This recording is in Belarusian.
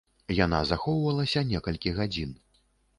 Яна захоўвалася некалькі гадзін.